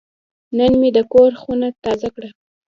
نن مې د کور خونه تازه کړه.